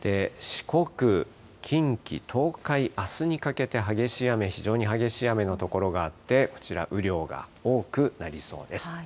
四国、近畿、東海、あすにかけて激しい雨、非常に激しい雨の所があって、こちら、雨量が多くなりそうです。